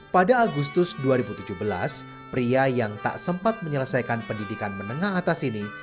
pada agustus dua ribu tujuh belas pria yang tak sempat menyelesaikan pendidikan menengah atas ini